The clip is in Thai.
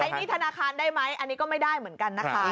หนี้ธนาคารได้ไหมอันนี้ก็ไม่ได้เหมือนกันนะคะ